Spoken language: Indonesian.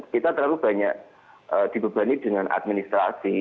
kita terlalu banyak dibebani dengan administrasi